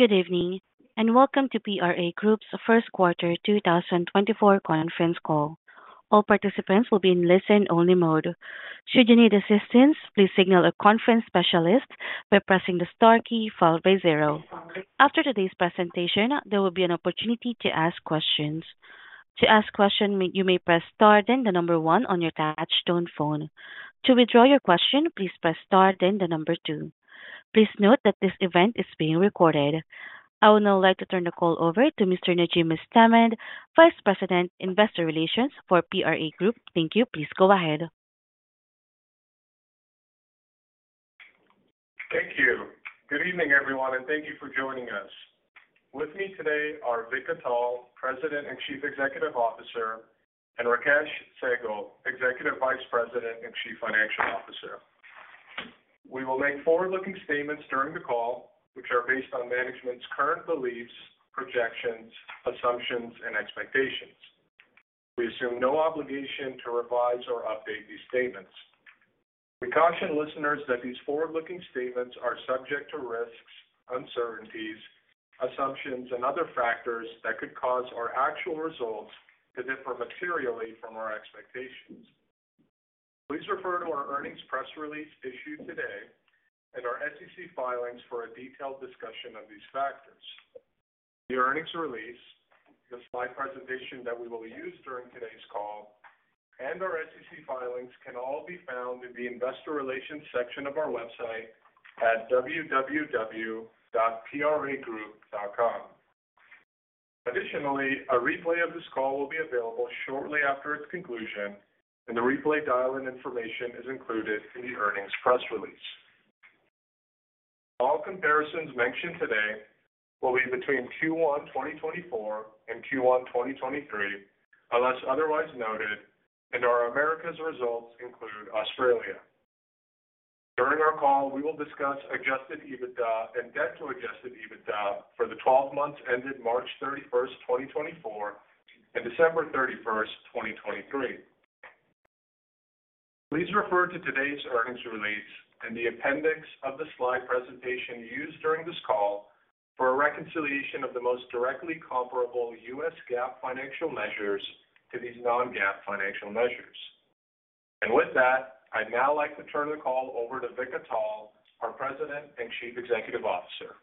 Good evening, and welcome to PRA Group's first quarter 2024 conference call. All participants will be in listen-only mode. Should you need assistance, please signal a conference specialist by pressing the star key followed by zero. After today's presentation, there will be an opportunity to ask questions. To ask a question, you may press star, then the number one on your touchtone phone. To withdraw your question, please press star then the number two. Please note that this event is being recorded. I would now like to turn the call over to Mr. Najim Mostamand, Vice President, Investor Relations for PRA Group. Thank you. Please go ahead. Thank you. Good evening, everyone, and thank you for joining us. With me today are Vik Atal, President and Chief Executive Officer, and Rakesh Sehgal, Executive Vice President and Chief Financial Officer. We will make forward-looking statements during the call, which are based on management's current beliefs, projections, assumptions, and expectations. We assume no obligation to revise or update these statements. We caution listeners that these forward-looking statements are subject to risks, uncertainties, assumptions, and other factors that could cause our actual results to differ materially from our expectations. Please refer to our earnings press release issued today and our SEC filings for a detailed discussion of these factors. The earnings release, the slide presentation that we will use during today's call, and our SEC filings can all be found in the Investor Relations section of our website at www.pragroup.com. Additionally, a replay of this call will be available shortly after its conclusion, and the replay dial-in information is included in the earnings press release. All comparisons mentioned today will be between Q1 2024 and Q1 2023, unless otherwise noted, and our Americas results include Australia. During our call, we will discuss Adjusted EBITDA and Debt to Adjusted EBITDA for the twelve months ended March 31, 2024, and December 31, 2023. Please refer to today's earnings release and the appendix of the slide presentation used during this call for a reconciliation of the most directly comparable US GAAP financial measures to these non-GAAP financial measures. With that, I'd now like to turn the call over to Vik Atal, our President and Chief Executive Officer.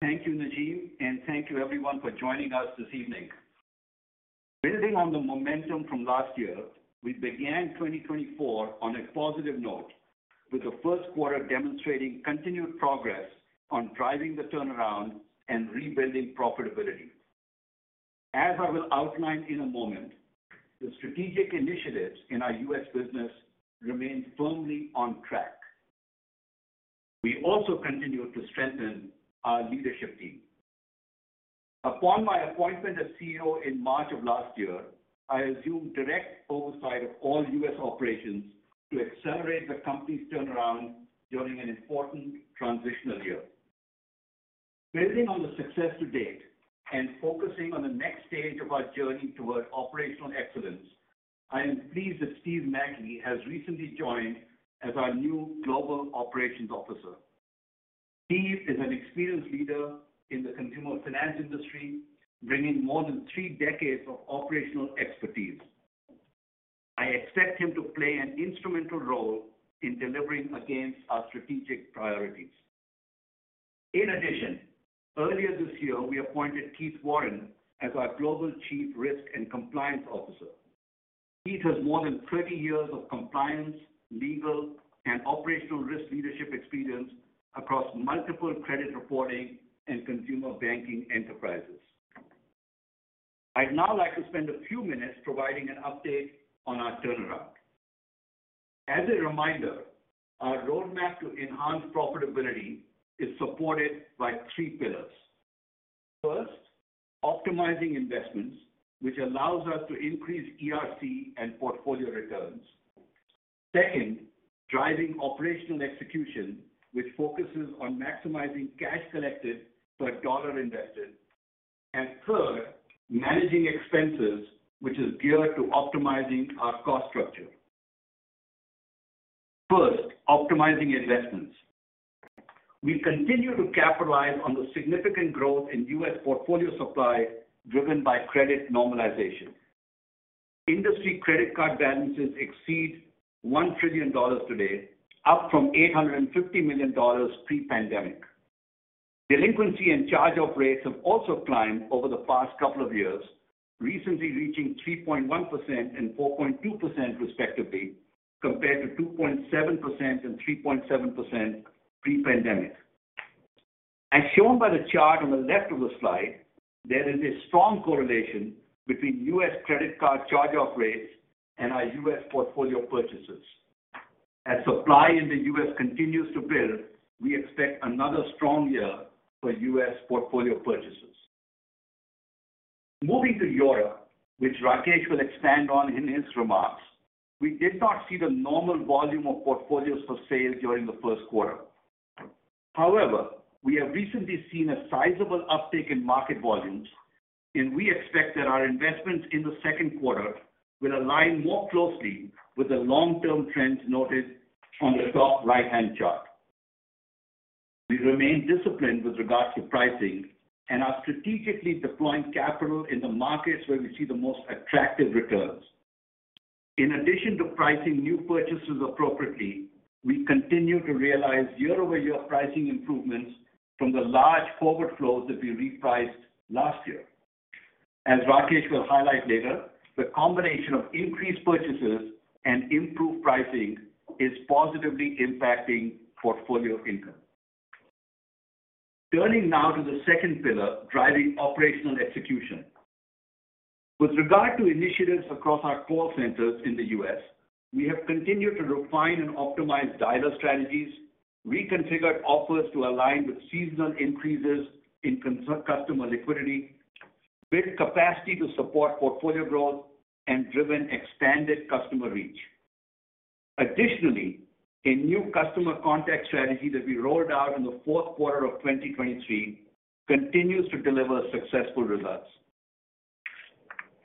Thank you, Najim, and thank you everyone for joining us this evening. Building on the momentum from last year, we began 2024 on a positive note, with the first quarter demonstrating continued progress on driving the turnaround and rebuilding profitability. As I will outline in a moment, the strategic initiatives in our U.S. business remain firmly on track. We also continue to strengthen our leadership team. Upon my appointment as CEO in March of last year, I assumed direct oversight of all U.S. operations to accelerate the company's turnaround during an important transitional year. Building on the success to date and focusing on the next stage of our journey towards operational excellence, I am pleased that Steve Macke has recently joined as our new Global Operations Officer. Steve is an experienced leader in the consumer finance industry, bringing more than three decades of operational expertise. I expect him to play an instrumental role in delivering against our strategic priorities. In addition, earlier this year, we appointed Keith Warren as our Global Chief Risk and Compliance Officer. Keith has more than 20 years of compliance, legal, and operational risk leadership experience across multiple credit reporting and consumer banking enterprises. I'd now like to spend a few minutes providing an update on our turnaround. As a reminder, our roadmap to enhanced profitability is supported by three pillars. First, optimizing investments, which allows us to increase ERC and portfolio returns. Second, driving operational execution, which focuses on maximizing cash collected per dollar invested. And third, managing expenses, which is geared to optimizing our cost structure. First, optimizing investments. We continue to capitalize on the significant growth in U.S. portfolio supply, driven by credit normalization. Industry credit card balances exceed $1 trillion today, up from $850 million pre-pandemic. Delinquency and charge-off rates have also climbed over the past couple of years, recently reaching 3.1% and 4.2%, respectively, compared to 2.7% and 3.7% pre-pandemic. As shown by the chart on the left of the slide, there is a strong correlation between U.S. credit card charge-off rates and our U.S. portfolio purchases. As supply in the U.S. continues to build, we expect another strong year for U.S. portfolio purchases. Moving to Europe, which Rakesh will expand on in his remarks, we did not see the normal volume of portfolios for sale during the first quarter. However, we have recently seen a sizable uptick in market volumes-... We expect that our investments in the second quarter will align more closely with the long-term trends noted on the top right-hand chart. We remain disciplined with regards to pricing and are strategically deploying capital in the markets where we see the most attractive returns. In addition to pricing new purchases appropriately, we continue to realize year-over-year pricing improvements from the large forward flows that we repriced last year. As Rakesh will highlight later, the combination of increased purchases and improved pricing is positively impacting portfolio income. Turning now to the second pillar, driving operational execution. With regard to initiatives across our call centers in the U.S., we have continued to refine and optimize dialer strategies, reconfigured offers to align with seasonal increases in customer liquidity, built capacity to support portfolio growth, and driven expanded customer reach. Additionally, a new customer contact strategy that we rolled out in the fourth quarter of 2023 continues to deliver successful results.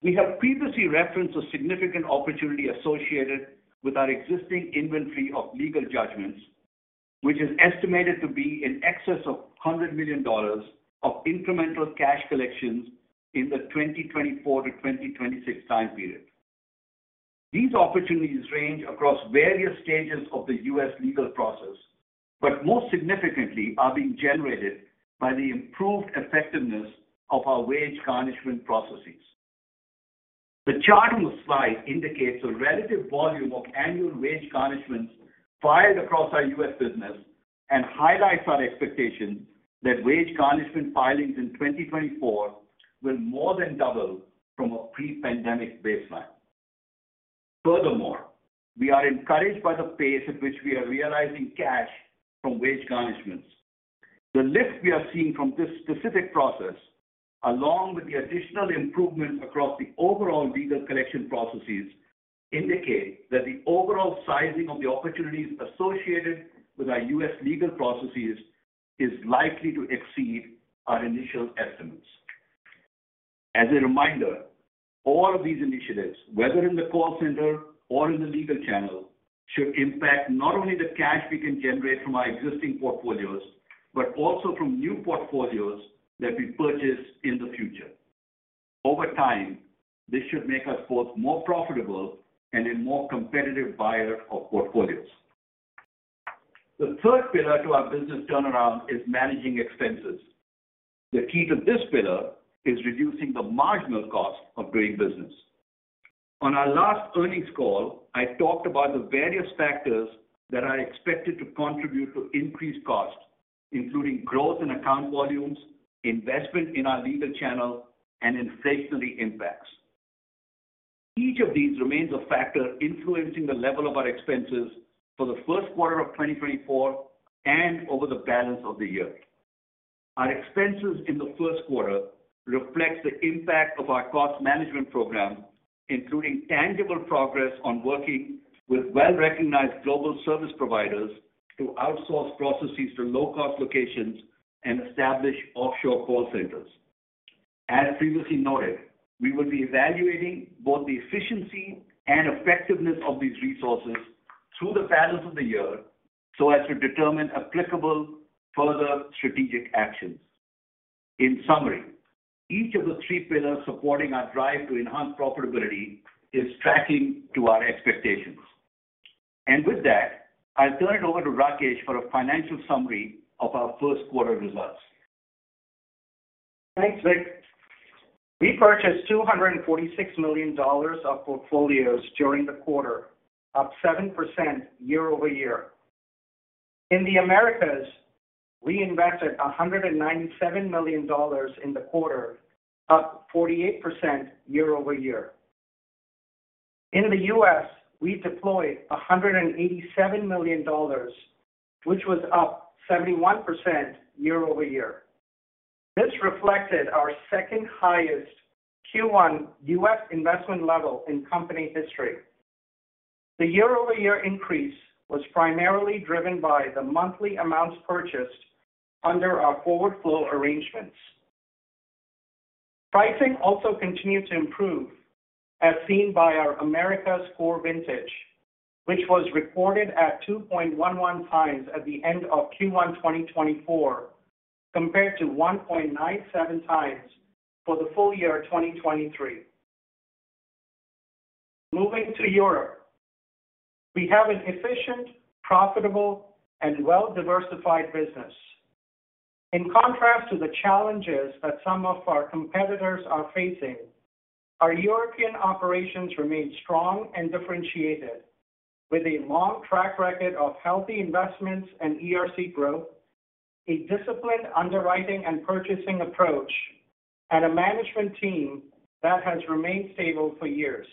We have previously referenced a significant opportunity associated with our existing inventory of legal judgments, which is estimated to be in excess of $100 million of incremental cash collections in the 2024-2026 time period. These opportunities range across various stages of the U.S. legal process, but more significantly, are being generated by the improved effectiveness of our wage garnishment processes. The chart on the slide indicates the relative volume of annual wage garnishments filed across our U.S. business and highlights our expectation that wage garnishment filings in 2024 will more than double from a pre-pandemic baseline. Furthermore, we are encouraged by the pace at which we are realizing cash from wage garnishments. The lift we are seeing from this specific process, along with the additional improvements across the overall legal collection processes, indicate that the overall sizing of the opportunities associated with our U.S. legal processes is likely to exceed our initial estimates. As a reminder, all of these initiatives, whether in the call center or in the legal channel, should impact not only the cash we can generate from our existing portfolios, but also from new portfolios that we purchase in the future. Over time, this should make us both more profitable and a more competitive buyer of portfolios. The third pillar to our business turnaround is managing expenses. The key to this pillar is reducing the marginal cost of doing business. On our last earnings call, I talked about the various factors that are expected to contribute to increased costs, including growth in account volumes, investment in our legal channel, and inflationary impacts. Each of these remains a factor influencing the level of our expenses for the first quarter of 2024 and over the balance of the year. Our expenses in the first quarter reflect the impact of our cost management program, including tangible progress on working with well-recognized global service providers to outsource processes to low-cost locations and establish offshore call centers. As previously noted, we will be evaluating both the efficiency and effectiveness of these resources through the balance of the year so as to determine applicable further strategic actions. In summary, each of the three pillars supporting our drive to enhance profitability is tracking to our expectations. With that, I'll turn it over to Rakesh for a financial summary of our first quarter results. Thanks, Vik. We purchased $246 million of portfolios during the quarter, up 7% year-over-year. In the Americas, we invested $197 million in the quarter, up 48% year-over-year. In the U.S., we deployed $187 million, which was up 71% year-over-year. This reflected our second-highest Q1 U.S. investment level in company history. The year-over-year increase was primarily driven by the monthly amounts purchased under our forward flow arrangements. Pricing also continued to improve, as seen by our Americas core vintage, which was recorded at 2.11x at the end of Q1 2024, compared to 1.97x for the full year 2023. Moving to Europe. We have an efficient, profitable, and well-diversified business. In contrast to the challenges that some of our competitors are facing, our European operations remain strong and differentiated, with a long track record of healthy investments and ERC growth, a disciplined underwriting and purchasing approach, and a management team that has remained stable for years.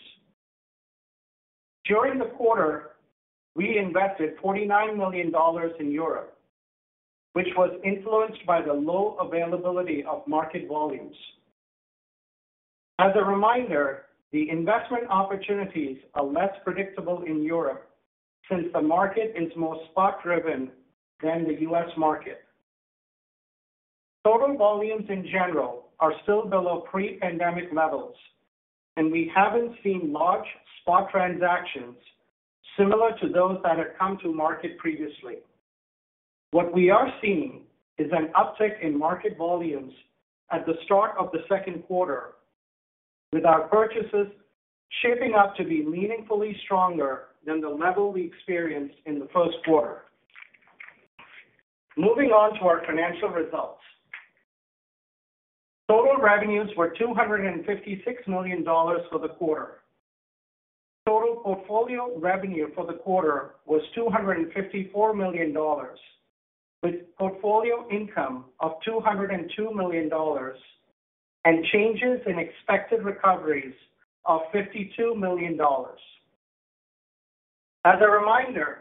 During the quarter, we invested $49 million in Europe, which was influenced by the low availability of market volumes. As a reminder, the investment opportunities are less predictable in Europe since the market is more spot-driven than the U.S. market. Total volumes in general are still below pre-pandemic levels, and we haven't seen large spot transactions similar to those that have come to market previously. What we are seeing is an uptick in market volumes at the start of the second quarter, with our purchases shaping up to be meaningfully stronger than the level we experienced in the first quarter. Moving on to our financial results. Total revenues were $256 million for the quarter. Total portfolio revenue for the quarter was $254 million, with portfolio income of $202 million and changes in expected recoveries of $52 million. As a reminder,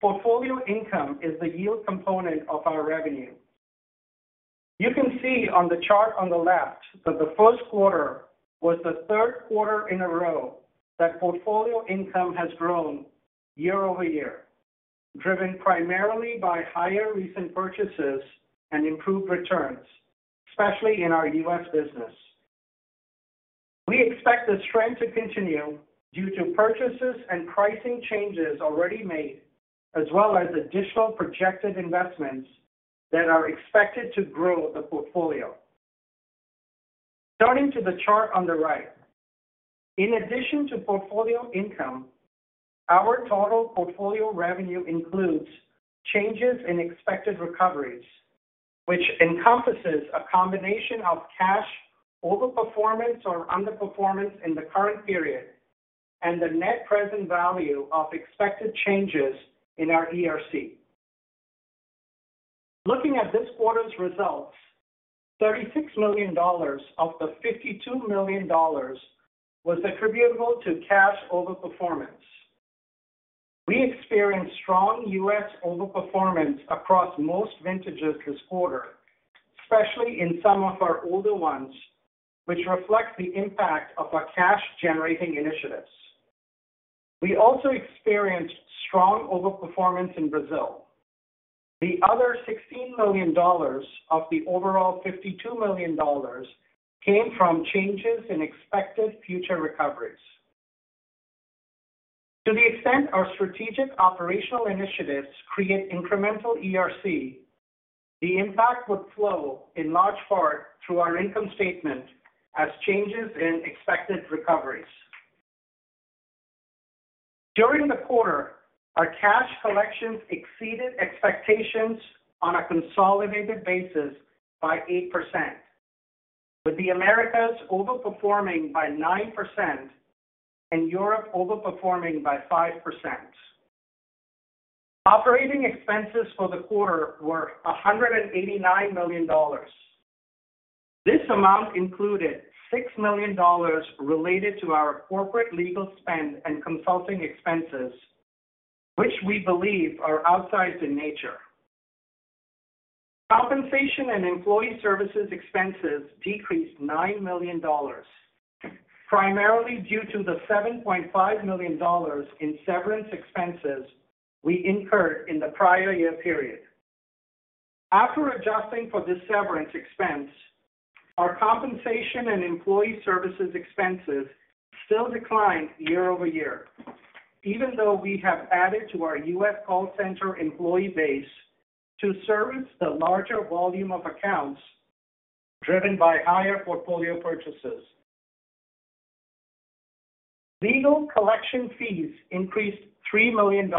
portfolio income is the yield component of our revenue. You can see on the chart on the left that the first quarter was the third quarter in a row that portfolio income has grown year-over-year, driven primarily by higher recent purchases and improved returns, especially in our U.S. business. We expect this trend to continue due to purchases and pricing changes already made, as well as additional projected investments that are expected to grow the portfolio. Turning to the chart on the right, in addition to portfolio income, our total portfolio revenue includes changes in expected recoveries, which encompasses a combination of cash overperformance or underperformance in the current period and the net present value of expected changes in our ERC. Looking at this quarter's results, $36 million of the $52 million was attributable to cash overperformance. We experienced strong U.S. overperformance across most vintages this quarter, especially in some of our older ones, which reflect the impact of our cash-generating initiatives. We also experienced strong overperformance in Brazil. The other $16 million of the overall $52 million came from changes in expected future recoveries. To the extent our strategic operational initiatives create incremental ERC, the impact would flow in large part through our income statement as changes in expected recoveries. During the quarter, our cash collections exceeded expectations on a consolidated basis by 8%, with the Americas overperforming by 9% and Europe overperforming by 5%. Operating expenses for the quarter were $189 million. This amount included $6 million related to our corporate legal spend and consulting expenses, which we believe are outsized in nature. Compensation and employee services expenses decreased $9 million, primarily due to the $7.5 million in severance expenses we incurred in the prior year period. After adjusting for this severance expense, our compensation and employee services expenses still declined year over year, even though we have added to our U.S. call center employee base to service the larger volume of accounts driven by higher portfolio purchases. Legal collection fees increased $3 million,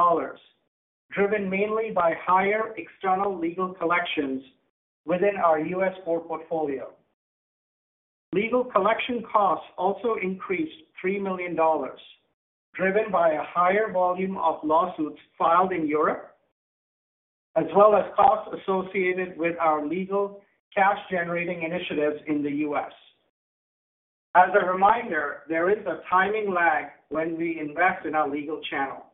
driven mainly by higher external legal collections within our U.S. core portfolio. Legal collection costs also increased $3 million, driven by a higher volume of lawsuits filed in Europe, as well as costs associated with our legal cash-generating initiatives in the U.S. As a reminder, there is a timing lag when we invest in our legal channel.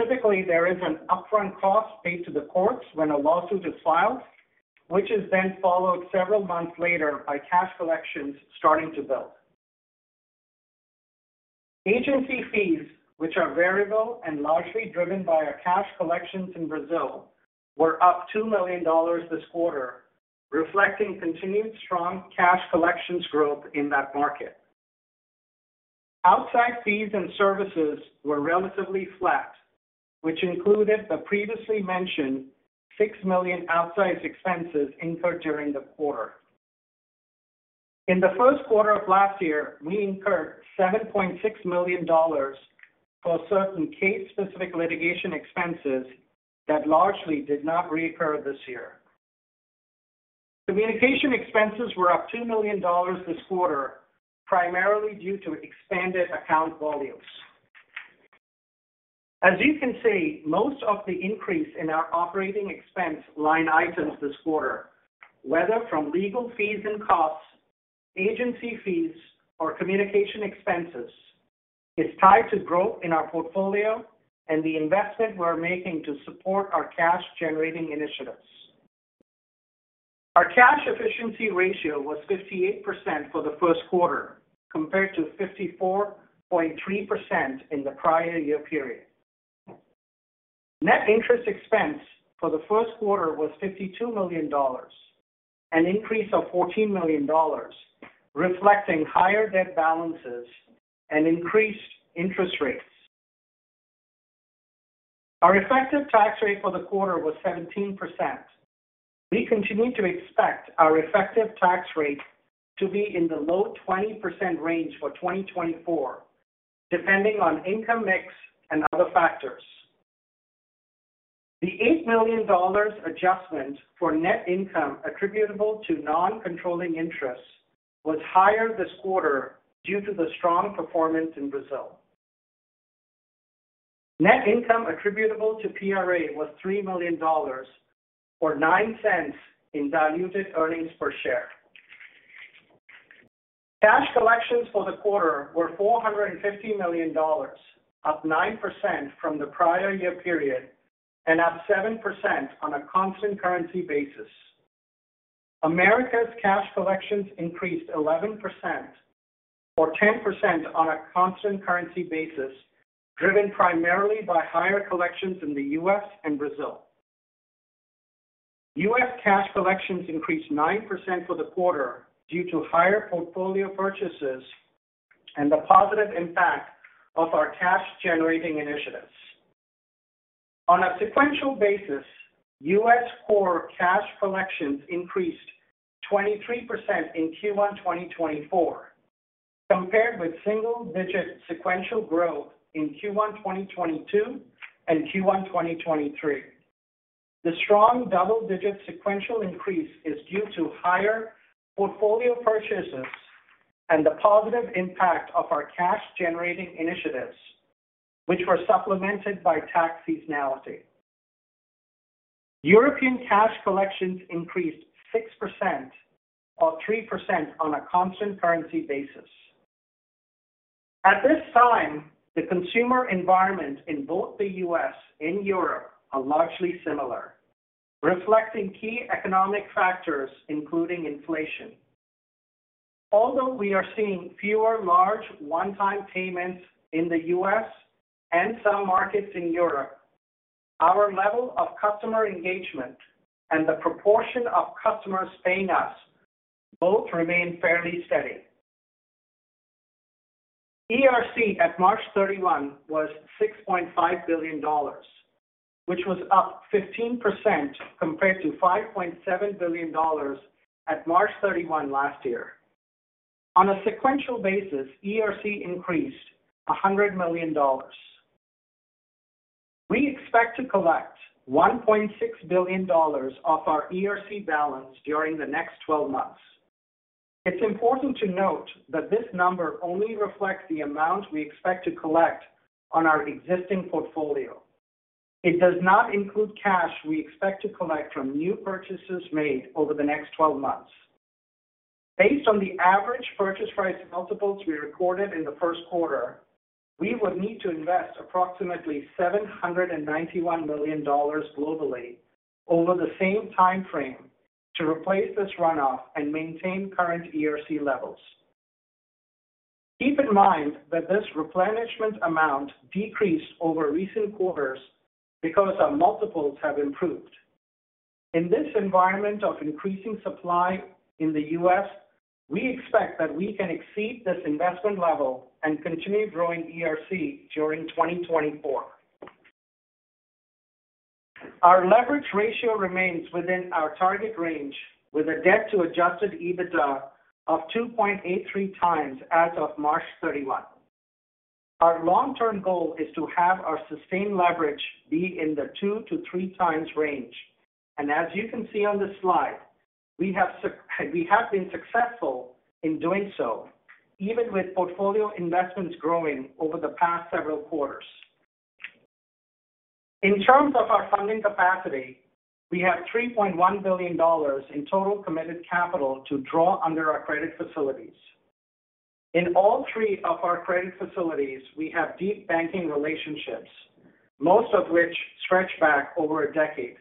Typically, there is an upfront cost paid to the courts when a lawsuit is filed, which is then followed several months later by cash collections starting to build. Agency fees, which are variable and largely driven by our cash collections in Brazil, were up $2 million this quarter, reflecting continued strong cash collections growth in that market. Outside fees and services were relatively flat, which included the previously mentioned $6 million outsized expenses incurred during the quarter. In the first quarter of last year, we incurred $7.6 million for certain case-specific litigation expenses that largely did not reoccur this year. Communication expenses were up $2 million this quarter, primarily due to expanded account volumes. As you can see, most of the increase in our operating expense line items this quarter, whether from legal fees and costs, agency fees, or communication expenses, is tied to growth in our portfolio and the investment we're making to support our cash-generating initiatives. Our Cash Efficiency Ratio was 58% for the first quarter, compared to 54.3% in the prior year period. Net interest expense for the first quarter was $52 million, an increase of $14 million, reflecting higher debt balances and increased interest rates. Our effective tax rate for the quarter was 17%. We continue to expect our effective tax rate to be in the low 20% range for 2024, depending on income mix and other factors. The $8 million adjustment for net income attributable to non-controlling interests was higher this quarter due to the strong performance in Brazil. Net income attributable to PRA was $3 million, or $0.09 in diluted earnings per share. Cash collections for the quarter were $450 million, up 9% from the prior year period, and up 7% on a constant currency basis. Americas cash collections increased 11%, or 10% on a constant currency basis, driven primarily by higher collections in the U.S. and Brazil. U.S. cash collections increased 9% for the quarter due to higher portfolio purchases and the positive impact of our cash-generating initiatives. On a sequential basis, U.S. core cash collections increased 23% in Q1 2024, compared with single-digit sequential growth in Q1 2022 and Q1 2023. The strong double-digit sequential increase is due to higher portfolio purchases and the positive impact of our cash-generating initiatives, which were supplemented by tax seasonality. European cash collections increased 6%, or 3% on a constant currency basis. At this time, the consumer environment in both the U.S. and Europe are largely similar, reflecting key economic factors, including inflation. Although we are seeing fewer large one-time payments in the U.S. and some markets in Europe, our level of customer engagement and the proportion of customers paying us both remain fairly steady. ERC at March 31 was $6.5 billion, which was up 15% compared to $5.7 billion at March 31 last year. On a sequential basis, ERC increased $100 million. We expect to collect $1.6 billion of our ERC balance during the next 12 months. It's important to note that this number only reflects the amount we expect to collect on our existing portfolio. It does not include cash we expect to collect from new purchases made over the next twelve months. Based on the average purchase price multiples we recorded in the first quarter, we would need to invest approximately $791 million globally over the same time frame to replace this runoff and maintain current ERC levels. Keep in mind that this replenishment amount decreased over recent quarters because our multiples have improved. In this environment of increasing supply in the U.S., we expect that we can exceed this investment level and continue growing ERC during 2024. Our leverage ratio remains within our target range, with a debt to Adjusted EBITDA of 2.83x as of March 31. Our long-term goal is to have our sustained leverage be in the 2x-3x range. And as you can see on this slide, we have been successful in doing so, even with portfolio investments growing over the past several quarters. In terms of our funding capacity, we have $3.1 billion in total committed capital to draw under our credit facilities. In all three of our credit facilities, we have deep banking relationships, most of which stretch back over a decade.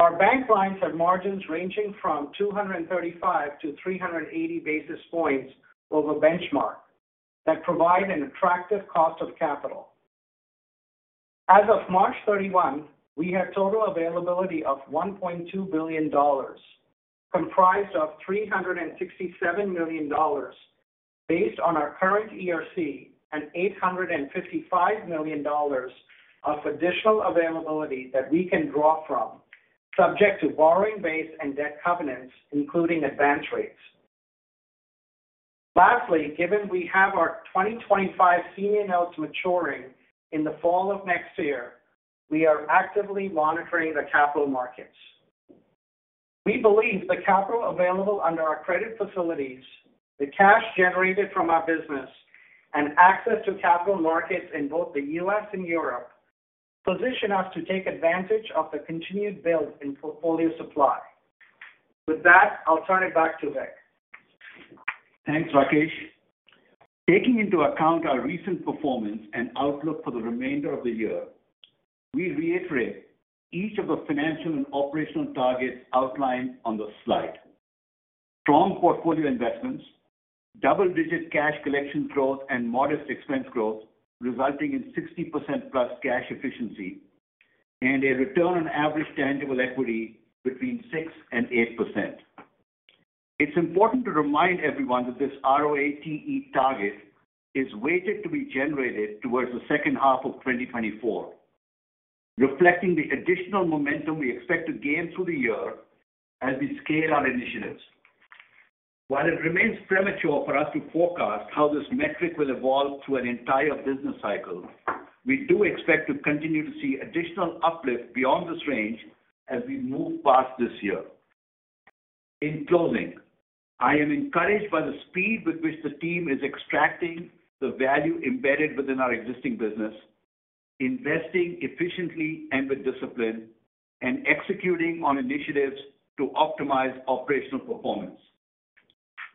Our bank lines have margins ranging from 235-380 basis points over benchmark that provide an attractive cost of capital. As of March 31, we had total availability of $1.2 billion, comprised of $367 million based on our current ERC and $855 million of additional availability that we can draw from, subject to borrowing base and debt covenants, including advance rates. Lastly, given we have our 2025 Senior Notes maturing in the fall of next year, we are actively monitoring the capital markets. We believe the capital available under our credit facilities, the cash generated from our business, and access to capital markets in both the U.S. and Europe, position us to take advantage of the continued build in portfolio supply. With that, I'll turn it back to Vik.... Thanks, Rakesh. Taking into account our recent performance and outlook for the remainder of the year, we reiterate each of the financial and operational targets outlined on the slide. Strong portfolio investments, double-digit cash collection growth and modest expense growth, resulting in 60%+ cash efficiency and a return on average tangible equity between 6% and 8%. It's important to remind everyone that this ROATE target is weighted to be generated towards the second half of 2024, reflecting the additional momentum we expect to gain through the year as we scale our initiatives. While it remains premature for us to forecast how this metric will evolve through an entire business cycle, we do expect to continue to see additional uplift beyond this range as we move past this year. In closing, I am encouraged by the speed with which the team is extracting the value embedded within our existing business, investing efficiently and with discipline, and executing on initiatives to optimize operational performance.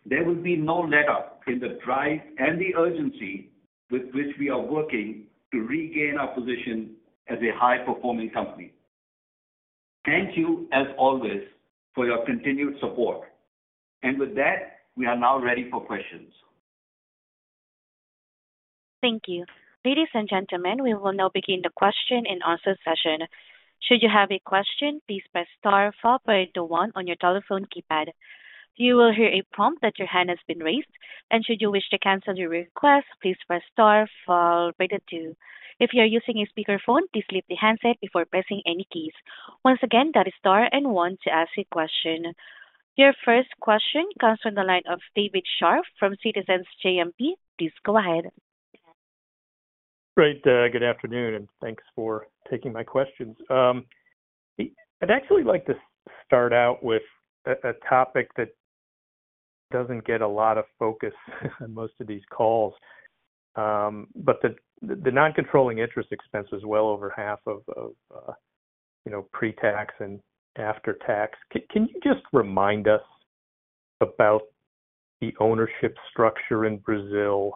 There will be no letup in the drive and the urgency with which we are working to regain our position as a high-performing company. Thank you, as always, for your continued support. And with that, we are now ready for questions. Thank you. Ladies and gentlemen, we will now begin the question and answer session. Should you have a question, please press star followed by the one on your telephone keypad. You will hear a prompt that your hand has been raised, and should you wish to cancel your request, please press star followed by the two. If you are using a speakerphone, please lift the handset before pressing any keys. Once again, that is star and one to ask a question. Your first question comes from the line of David Scharf from Citizens JMP. Please go ahead. Great, good afternoon, and thanks for taking my questions. I'd actually like to start out with a topic that doesn't get a lot of focus on most of these calls. But the non-controlling interest expense is well over half of, you know, pre-tax and after tax. Can you just remind us about the ownership structure in Brazil,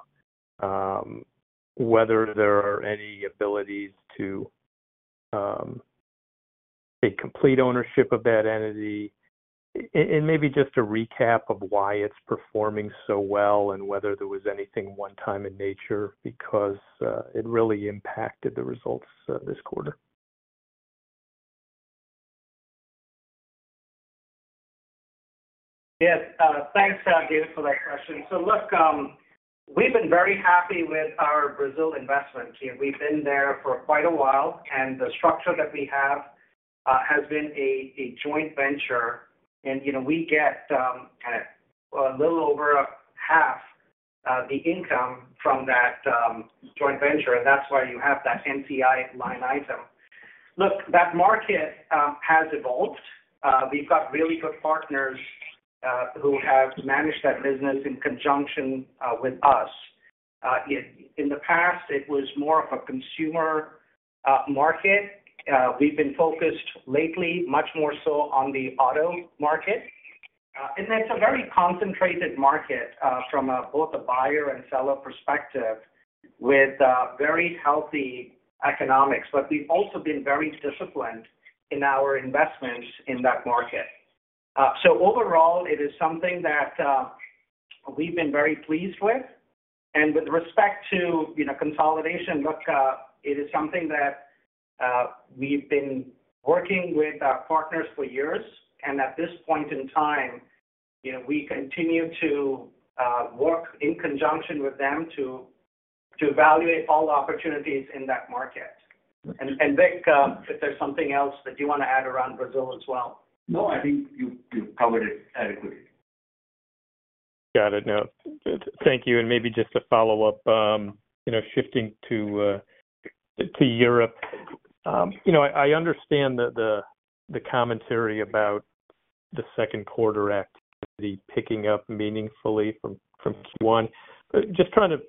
whether there are any abilities to take complete ownership of that entity? And maybe just a recap of why it's performing so well and whether there was anything one time in nature, because it really impacted the results this quarter. Yes. Thanks, David, for that question. So look, we've been very happy with our Brazil investment team. We've been there for quite a while, and the structure that we have has been a joint venture. And, you know, we get kind of a little over half the income from that joint venture, and that's why you have that NCI line item. Look, that market has evolved. We've got really good partners who have managed that business in conjunction with us. In the past, it was more of a consumer market. We've been focused lately, much more so on the auto market. And it's a very concentrated market from both a buyer and seller perspective, with very healthy economics. But we've also been very disciplined in our investments in that market. So overall, it is something that we've been very pleased with. And with respect to, you know, consolidation, look, it is something that we've been working with our partners for years, and at this point in time, you know, we continue to work in conjunction with them to evaluate all the opportunities in that market. And, Vik, if there's something else that you want to add around Brazil as well? No, I think you covered it adequately. Got it. Now, thank you. And maybe just to follow up, you know, shifting to Europe. You know, I understand that the commentary about the second quarter activity picking up meaningfully from Q1. But just trying to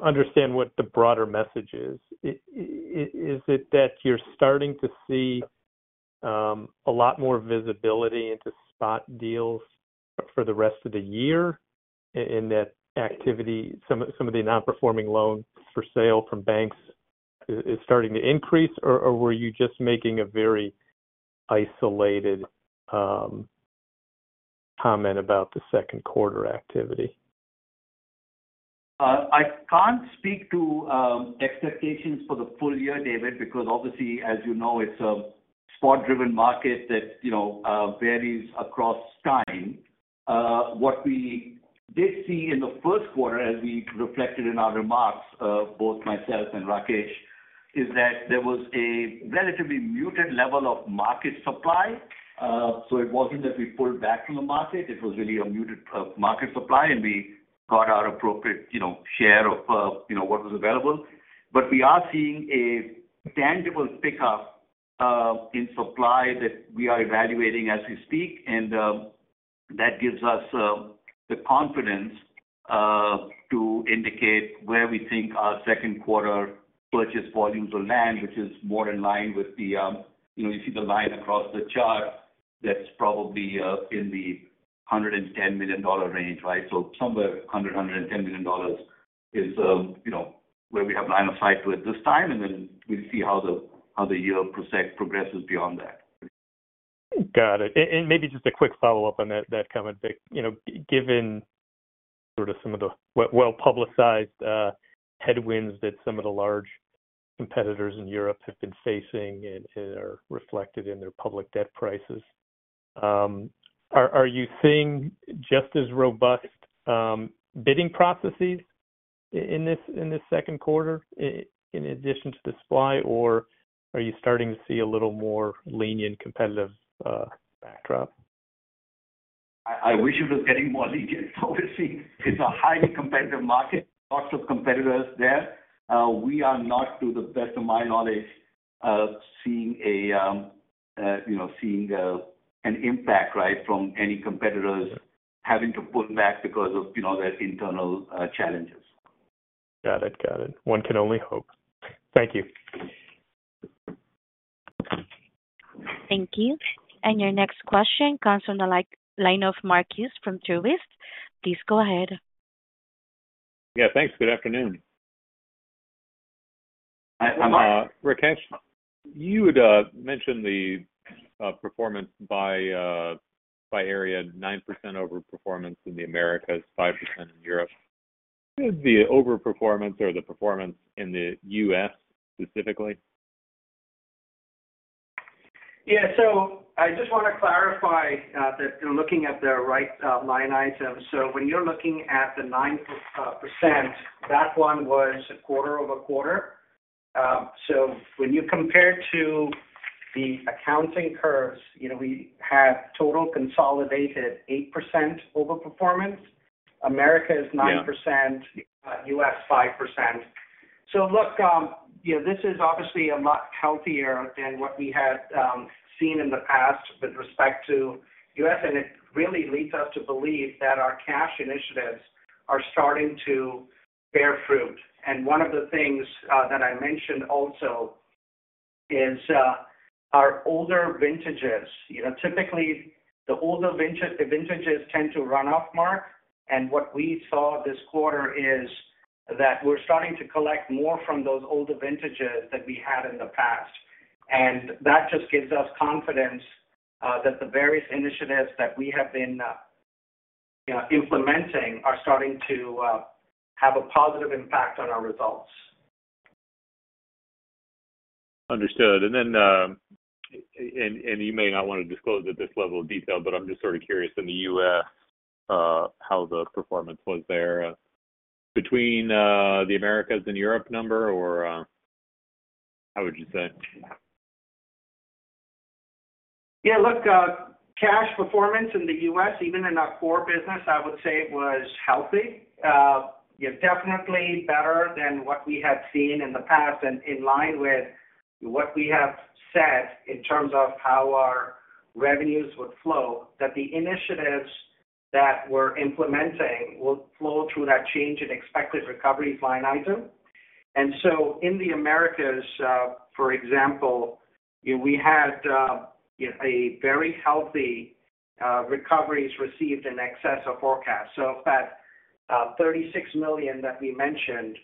understand what the broader message is. Is it that you're starting to see a lot more visibility into spot deals for the rest of the year, and that activity, some of the non-performing loans for sale from banks is starting to increase or were you just making a very isolated comment about the second quarter activity? I can't speak to expectations for the full year, David, because obviously, as you know, it's a spot-driven market that, you know, varies across time. What we did see in the first quarter, as we reflected in our remarks, both myself and Rakesh, is that there was a relatively muted level of market supply. So it wasn't that we pulled back from the market, it was really a muted market supply, and we got our appropriate, you know, share of, you know, what was available. But we are seeing a tangible pickup in supply that we are evaluating as we speak, and that gives us the confidence... indicate where we think our second quarter purchase volumes will land, which is more in line with the, you know, you see the line across the chart, that's probably in the $110 million range, right? So somewhere $110 million is, you know, where we have line of sight to it this time, and then we'll see how the, how the year progresses beyond that. Got it. And maybe just a quick follow-up on that, that comment, Vik. You know, given sort of some of the well-publicized headwinds that some of the large competitors in Europe have been facing and are reflected in their public debt prices, are you seeing just as robust bidding processes in this second quarter, in addition to the supply, or are you starting to see a little more lenient competitive backdrop? I wish it was getting more lenient. Obviously, it's a highly competitive market, lots of competitors there. We are not, to the best of my knowledge, seeing, you know, an impact, right, from any competitors having to pull back because of, you know, their internal challenges. Got it. Got it. One can only hope. Thank you. Thank you. And your next question comes from the line of Mark Hughes from Truist. Please go ahead. Yeah, thanks. Good afternoon. Hi, Mark. Rakesh, you had mentioned the performance by area, 9% overperformance in the Americas, 5% in Europe. What is the overperformance or the performance in the U.S. specifically? Yeah. So I just want to clarify that you're looking at the right line item. So when you're looking at the 9%, that one was a quarter-over-quarter. So when you compare to the accounting curves, you know, we had total consolidated 8% overperformance. Americas 9%- Yeah. U.S., 5%. So look, you know, this is obviously a lot healthier than what we had seen in the past with respect to U.S., and it really leads us to believe that our cash initiatives are starting to bear fruit. And one of the things that I mentioned also is our older vintages. You know, typically, the older vintage, the vintages tend to run off, Mark, and what we saw this quarter is that we're starting to collect more from those older vintages than we had in the past. And that just gives us confidence that the various initiatives that we have been, you know, implementing are starting to have a positive impact on our results. Understood. And then, you may not want to disclose at this level of detail, but I'm just sort of curious, in the U.S., how the performance was there between the Americas and Europe number or how would you say? Yeah, look, cash performance in the U.S., even in our core business, I would say it was healthy. Yeah, definitely better than what we had seen in the past and in line with what we have said in terms of how our revenues would flow, that the initiatives that we're implementing will flow through that change in expected recovery line item. So in the Americas, for example, we had a very healthy recoveries received in excess of forecast. So of that, $36 million that we mentioned,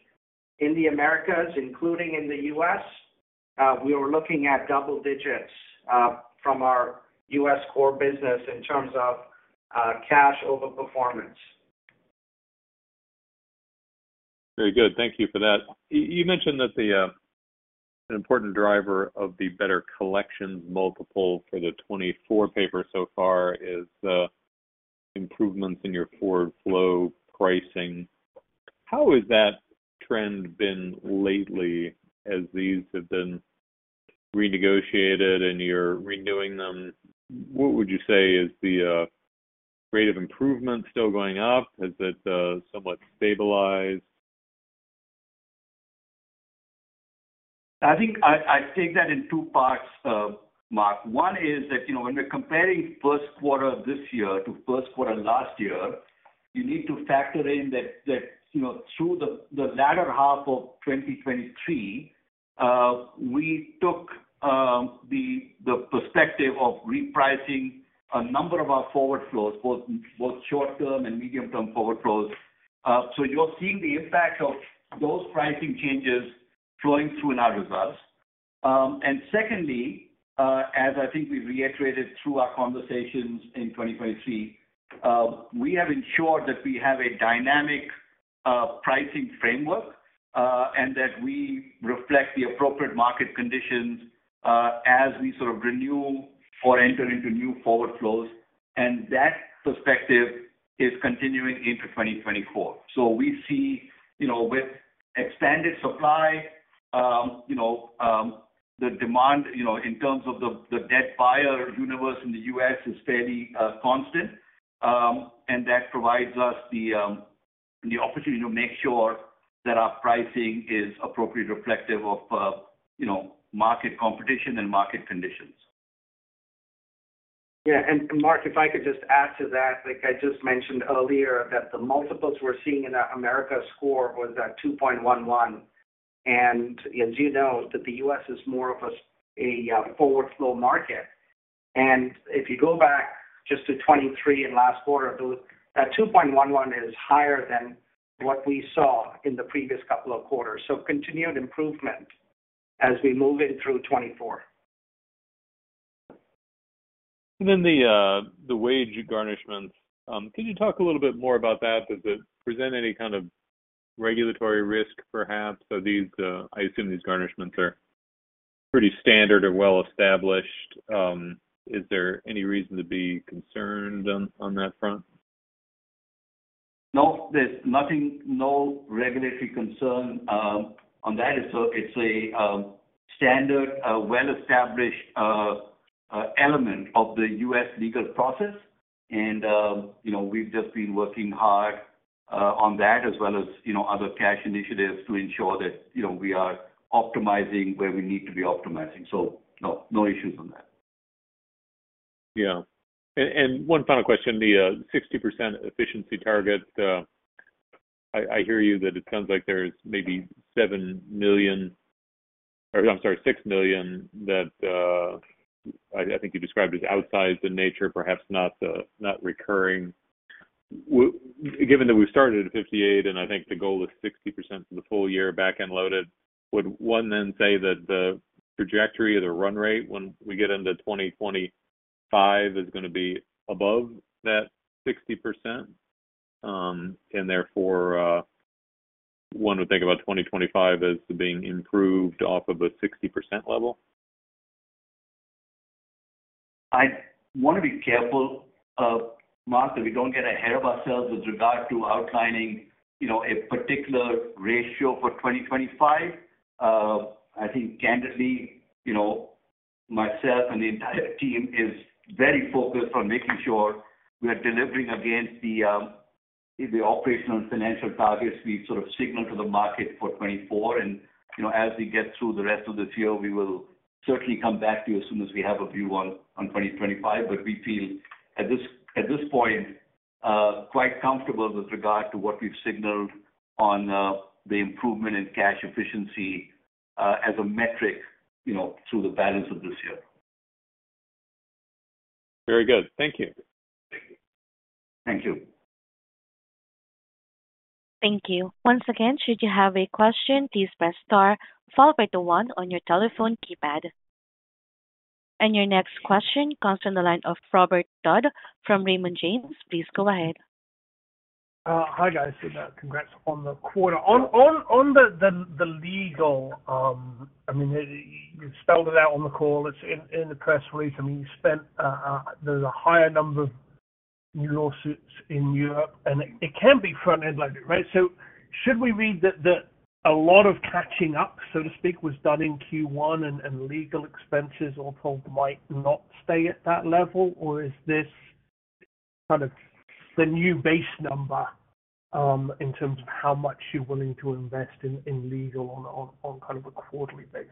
in the Americas, including in the U.S., we were looking at double digits from our U.S. core business in terms of cash overperformance. Very good. Thank you for that. You mentioned that the, an important driver of the better collections multiple for the 2024 paper so far is the improvements in your forward flow pricing. How has that trend been lately as these have been renegotiated and you're renewing them? What would you say is the, rate of improvement still going up? Has it, somewhat stabilized? I think I take that in two parts, Mark. One is that, you know, when we're comparing first quarter of this year to first quarter last year, you need to factor in that, you know, through the latter half of 2023, we took the perspective of repricing a number of our forward flows, both short term and medium-term forward flows. So you're seeing the impact of those pricing changes flowing through in our results. And secondly, as I think we reiterated through our conversations in 2023, we have ensured that we have a dynamic pricing framework, and that we reflect the appropriate market conditions, as we sort of renew or enter into new forward flows, and that perspective is continuing into 2024. So we see, you know, with expanded supply, you know, the demand, you know, in terms of the debt buyer universe in the U.S. is fairly constant. And that provides us the opportunity to make sure that our pricing is appropriately reflective of, you know, market competition and market conditions. Yeah, and Mark, if I could just add to that, like I just mentioned earlier, that the multiples we're seeing in that Americas core was at 2.11x. And as you know, that the U.S. is more of a forward flow market. And if you go back just to 2023 in last quarter, that 2.11x is higher than what we saw in the previous couple of quarters. So continued improvement as we move in through 2024. And then the wage garnishments, can you talk a little bit more about that? Does it present any kind of regulatory risk, perhaps? So these, I assume these garnishments are pretty standard or well-established. Is there any reason to be concerned on that front? No, there's nothing, no regulatory concern on that. So it's a standard, a well-established element of the U.S. legal process. You know, we've just been working hard on that as well as, you know, other cash initiatives to ensure that, you know, we are optimizing where we need to be optimizing. So no, no issues on that. Yeah. And one final question, the 60% efficiency target, I hear you that it sounds like there's maybe $7 million, or I'm sorry, $6 million, that I think you described as outsized in nature, perhaps not recurring. Given that we started at 58%, and I think the goal is 60% for the full year back-end loaded, would one then say that the trajectory of the run rate when we get into 2025 is gonna be above that 60%, and therefore, one would think about 2025 as being improved off of a 60% level? I want to be careful, Mark, that we don't get ahead of ourselves with regard to outlining, you know, a particular ratio for 2025. I think candidly, you know, myself and the entire team is very focused on making sure we are delivering against the operational and financial targets we sort of signaled to the market for 2024. And, you know, as we get through the rest of this year, we will certainly come back to you as soon as we have a view on 2025. But we feel at this point, quite comfortable with regard to what we've signaled on the improvement in cash efficiency, as a metric, you know, through the balance of this year. Very good. Thank you. Thank you. Thank you. Once again, should you have a question, please press star followed by the one on your telephone keypad. And your next question comes from the line of Robert Dodd from Raymond James. Please go ahead. Hi, guys. Congrats on the quarter. On the legal, I mean, you spelled it out on the call. It's in the press release. I mean, you spent, there's a higher number of new lawsuits in Europe, and it can be front-end loaded, right? So should we read that a lot of catching up, so to speak, was done in Q1 and legal expenses all told might not stay at that level? Or is this kind of the new base number in terms of how much you're willing to invest in legal on a kind of a quarterly basis?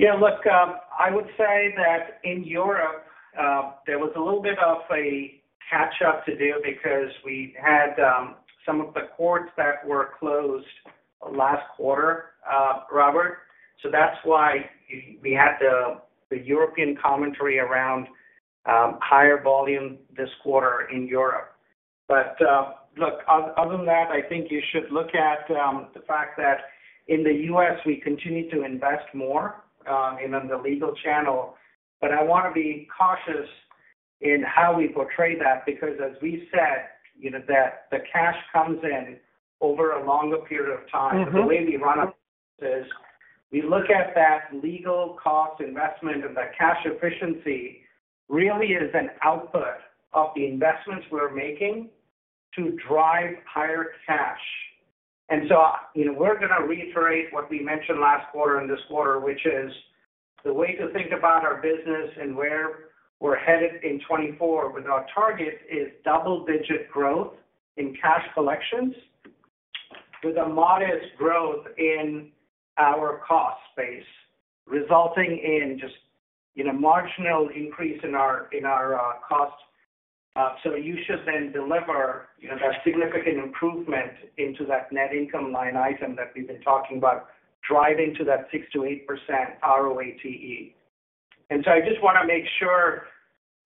Yeah, look, I would say that in Europe, there was a little bit of a catch up to do because we had some of the courts that were closed last quarter, Robert. So that's why we had the European commentary around higher volume this quarter in Europe. But look, other than that, I think you should look at the fact that in the U.S., we continue to invest more in on the legal channel. But I want to be cautious in how we portray that, because as we said, you know, that the cash comes in over a longer period of time. The way we run our business, we look at that legal cost investment, and the cash efficiency really is an output of the investments we're making to drive higher cash. And so, you know, we're gonna reiterate what we mentioned last quarter and this quarter, which is the way to think about our business and where we're headed in 2024, with our target is double-digit growth in cash collections, with a modest growth in our cost base, resulting in just, you know, marginal increase in our, in our, costs. So you should then deliver, you know, that significant improvement into that net income line item that we've been talking about, driving to that 6%-8% ROATE. And so I just wanna make sure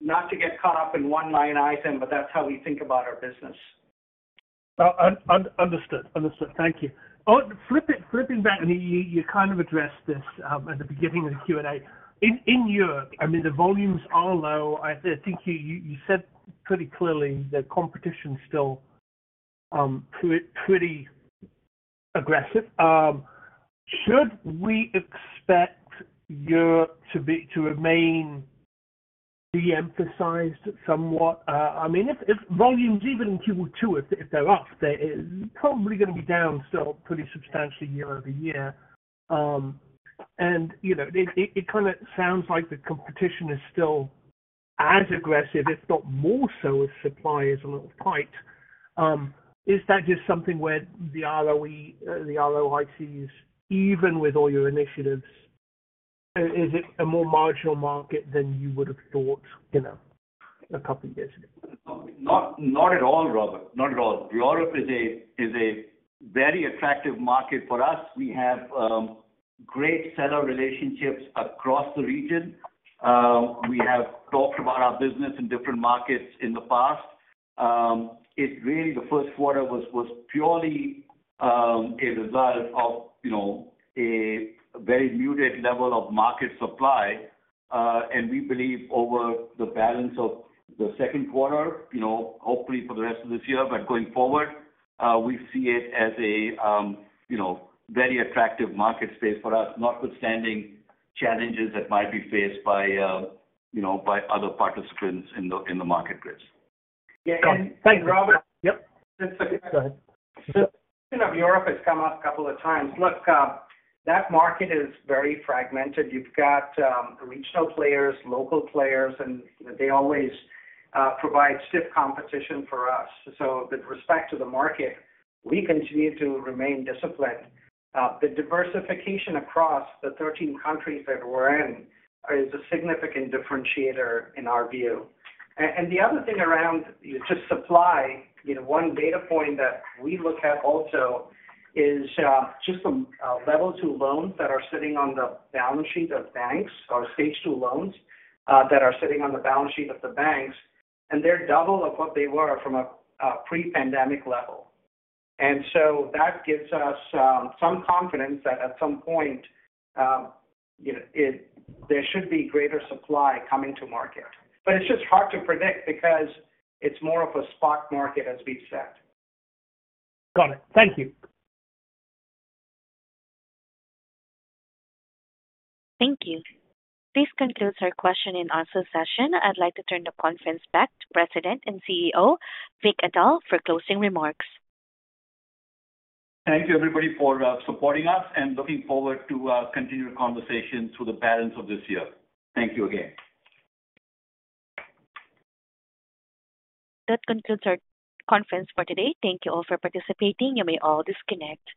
not to get caught up in one line item, but that's how we think about our business. Understood. Understood. Thank you. Oh, flipping back, and you kind of addressed this at the beginning of the Q&A. In Europe, I mean, the volumes are low. I think you said pretty clearly that competition's still pretty aggressive. Should we expect Europe to remain deemphasized somewhat? I mean, if volumes even in Q2, if they're up, they're probably gonna be down still pretty substantially year-over-year. And, you know, it kind of sounds like the competition is still as aggressive, if not more so, as supply is a little tight. Is that just something where the ROE, the ROICs, even with all your initiatives, is it a more marginal market than you would have thought, you know, a couple of years ago? Not, not at all, Robert. Not at all. Europe is a very attractive market for us. We have great seller relationships across the region. We have talked about our business in different markets in the past. It really, the first quarter was purely a result of, you know, a very muted level of market supply. And we believe over the balance of the second quarter, you know, hopefully for the rest of this year, but going forward, we see it as a, you know, very attractive market space for us, notwithstanding challenges that might be faced by, you know, by other participants in the market grids. Yeah. Thank you. Robert? Yep. Go ahead. So Europe has come up a couple of times. Look, that market is very fragmented. You've got, regional players, local players, and they always, provide stiff competition for us. So with respect to the market, we continue to remain disciplined. The diversification across the 13 countries that we're in is a significant differentiator in our view. And the other thing around just supply, you know, one data point that we look at also is, just some, Level 2 loans that are sitting on the balance sheet of banks, or Stage 2 loans, that are sitting on the balance sheet of the banks, and they're double of what they were from a pre-pandemic level. And so that gives us, some confidence that at some point, you know, there should be greater supply coming to market. It's just hard to predict because it's more of a spot market, as we've said. Got it. Thank you. Thank you. This concludes our question and answer session. I'd like to turn the conference back to President and CEO, Vik Atal, for closing remarks. Thank you, everybody, for supporting us and looking forward to continued conversation through the balance of this year. Thank you again. That concludes our conference for today. Thank you all for participating. You may all disconnect.